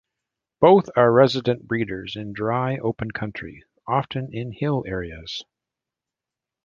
Both are resident breeders in dry, open country, often in hill areas.